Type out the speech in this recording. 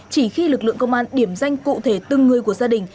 chỉ khi lực lượng công an điểm danh cụ thể từng người của gia đình